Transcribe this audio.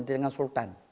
di tangan sultan